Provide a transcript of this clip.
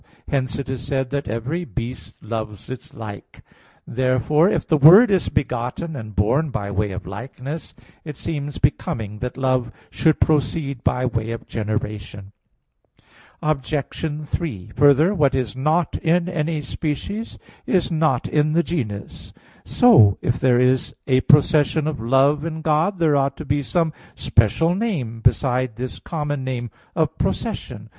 Hence it is said, that "every beast loves its like" (Ecclus. 13:19). Therefore if the Word is begotten and born by way of likeness, it seems becoming that love should proceed by way of generation. Obj. 3: Further, what is not in any species is not in the genus. So if there is a procession of love in God, there ought to be some special name besides this common name of procession.